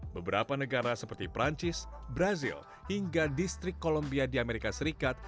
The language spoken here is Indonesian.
beberapa negara seperti perancis brazil hingga distrik kolombia di amerika serikat